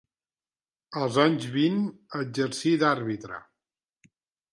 Als anys vint exercí d'àrbitre.